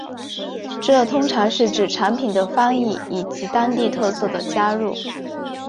这通常是指产品的翻译以及当地特色的加入。